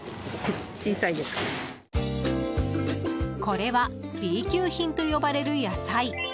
これはＢ級品と呼ばれる野菜。